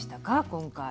今回。